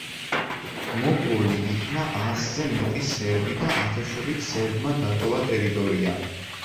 მოკლული იქნა ასზე მეტი სერბი და ათასობით სერბმა დატოვა ტერიტორია.